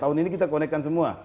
tahun ini kita connect kan semua